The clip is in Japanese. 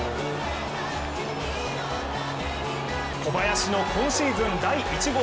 小林の今シーズン第１号。